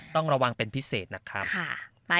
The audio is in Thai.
ต้องระวังเป็นพิเศษนะครับ